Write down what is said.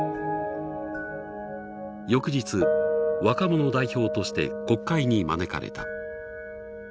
翌日若者代表として国会に招かれた。